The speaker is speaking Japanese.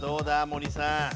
森さん。